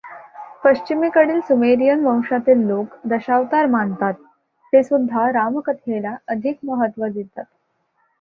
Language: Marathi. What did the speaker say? पश्चिमेकडील सुमेरियन वंशातील लोक दशावतार मानतात, ते सुद्धा रामकथेला अधिक महत्त्व देतात.